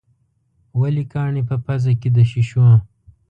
ولې کاڼي په پزه کې د شېشو.